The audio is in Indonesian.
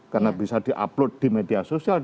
karena bisa di upload di media sosial